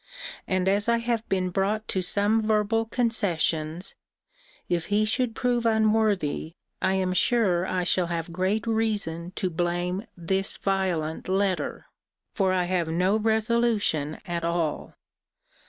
And as I have been brought to some verbal concessions, if he should prove unworthy, I am sure I shall have great reason to blame this violent letter: for I have no resolution at all.